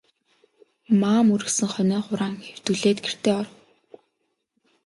Маам үргэсэн хонио хураан хэвтүүлээд гэртээ оров.